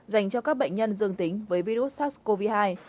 dành cho các bệnh nhân dương tính với virus sars cov hai